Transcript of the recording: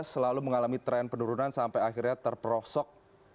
selalu mengalami tren penurunan sampai akhirnya terperosok